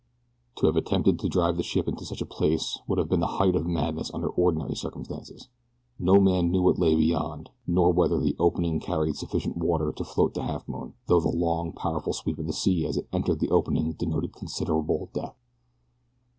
To have attempted to drive the ship into such a place would have been the height of madness under ordinary circumstances. No man knew what lay beyond, nor whether the opening carried sufficient water to float the Halfmoon, though the long, powerful sweep of the sea as it entered the opening denoted considerable depth.